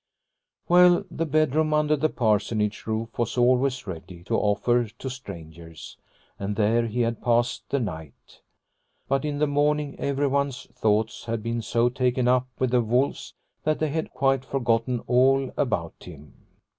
Well, the bedroom under the Parsonage roof was always ready to offer to strangers, and there he had passed the night. But in the morning everyone's thoughts had been so taken up with the wolves that they had quite forgotten all about him.